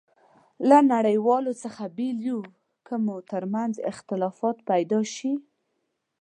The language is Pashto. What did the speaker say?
له نړیوالو څخه بېل یو، که مو ترمنځ اختلافات پيدا شي.